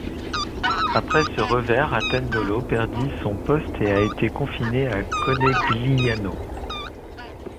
Après ce revers Attendolo perdit son poste et a été confiné à Conegliano.